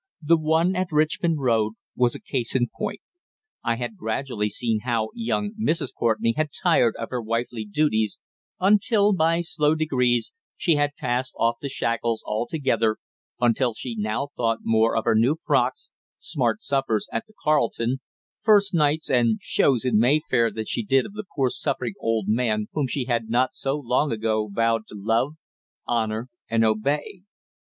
The one at Richmond Road was a case in point. I had gradually seen how young Mrs. Courtenay had tired of her wifely duties, until, by slow degrees, she had cast off the shackles altogether until she now thought more of her new frocks, smart suppers at the Carlton, first nights and "shows" in Mayfair than she did of the poor suffering old man whom she had not so long ago vowed to "love, honour and obey."